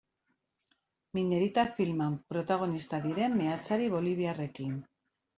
Minerita filman protagonista diren meatzari boliviarrekin.